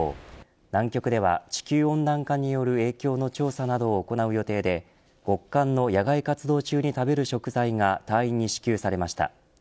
南極では、地球温暖化による影響の調査などを行う予定で極寒の野外活動中に食べる食材が隊員に支給されました。